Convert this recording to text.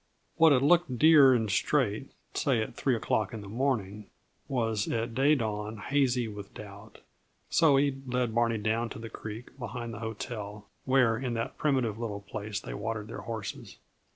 What had looked dear and straight, say at three o'clock in the morning, was at day dawn hazy with doubt. So he led Barney down to the creek behind the hotel, where in that primitive little place they watered their horses.